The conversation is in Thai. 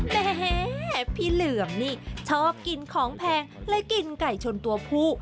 แหมพี่เหลือมนี่ชอบกินของแพงเลยกินไก่ชนตัวผู้